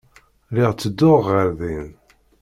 Lliɣ tedduɣ ɣer din.